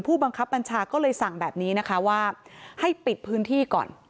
ผู้บังคับบัญชาก็เลยสั่งแบบนี้นะคะว่าให้ปิดพื้นที่ก่อน